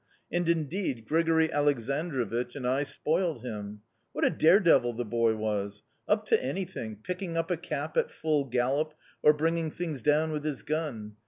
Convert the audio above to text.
And, indeed, Grigori Aleksandrovich and I spoiled him. What a dare devil the boy was! Up to anything, picking up a cap at full gallop, or bringing things down with his gun!